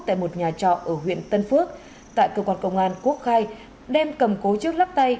tại một nhà trọ ở huyện tân phước tại cơ quan công an quốc khai đem cầm cố trước lắc tay